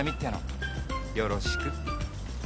よろしく。